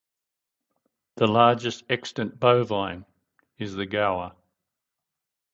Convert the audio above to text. The largest extant bovine is the gaur.